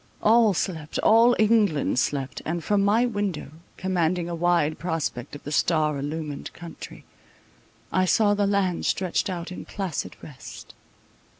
All slept—all England slept; and from my window, commanding a wide prospect of the star illumined country, I saw the land stretched out in placid rest.